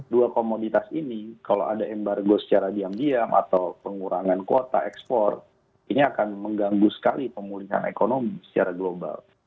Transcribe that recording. dua komoditas ini kalau ada embargo secara diam diam atau pengurangan kuota ekspor ini akan mengganggu sekali pemulihan ekonomi secara global